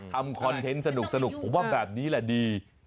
คอนเทนต์สนุกผมว่าแบบนี้แหละดี